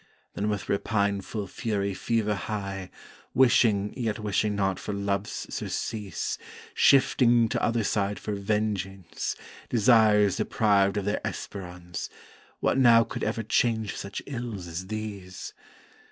Then with repine ful fury fever high Wishing yet wishing not for Love's surceàse; Shifting to other side for vengeänce, Desires deprived of their esperance, What now could ever change such ills as these?